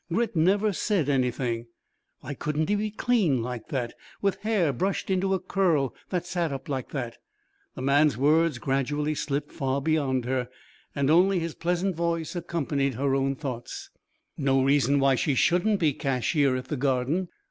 Grit never said anything. Why couldn't he been clean like that, with hair brushed into a curl that sat up like that? ... The man's words gradually slipped far beyond her, and only his pleasant voice accompanied her own thoughts. No reason why she shouldn't be cashier at the Garden.